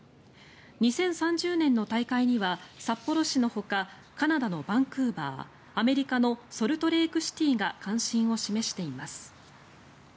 ２０３０年の大会には札幌市のほかカナダのバンクーバーアメリカのソルトレークシティーが関心を示しています。